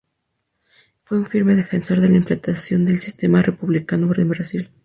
Fue un firme defensor de la implantación del sistema republicano en Brasil.